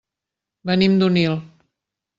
Venim d'Onil.